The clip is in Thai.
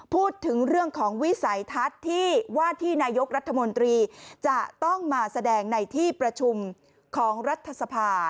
พูดถึงเรื่องของวิสัยทัศน์ที่ว่าที่นายกรัฐมนตรีจะต้องมาแสดงในที่ประชุมของรัฐสภา